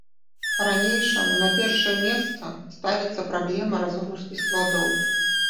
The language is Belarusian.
Па-ранейшаму на першае месца ставіцца праблема разгрузкі складоў.